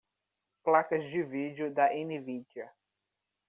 Placas de vídeo da Nvidia.